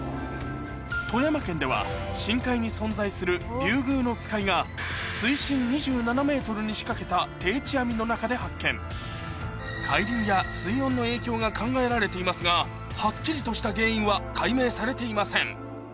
富山県では深海に存在するリュウグウノツカイが水深２７ｍに仕掛けた定置網の中で発見海流や水温の影響が考えられていますがはっきりとした原因は解明されていません